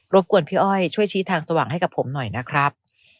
กวนพี่อ้อยช่วยชี้ทางสว่างให้กับผมหน่อยนะครับ